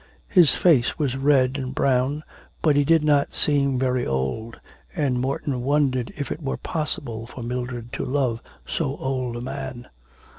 His face was red and brown, but he did not seem very old, and Morton wondered if it were possible for Mildred to love so old a man.